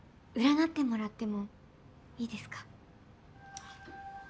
占ってもらってもいいですか？